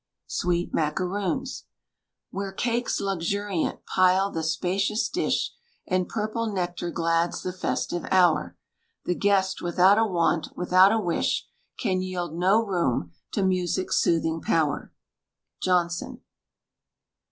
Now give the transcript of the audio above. SWEET MACAROONS. Where cakes luxuriant pile the spacious dish, And purple nectar glads the festive hour, The guest, without a want, without a wish, Can yield no room to music's soothing power. JOHNSON.